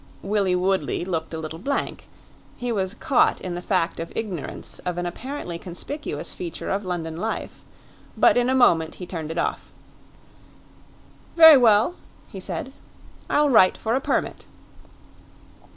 Willie Woodley looked a little blank; he was caught in the fact of ignorance of an apparently conspicuous feature of London life. But in a moment he turned it off. "Very well," he said, "I'll write for a permit."